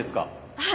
はい！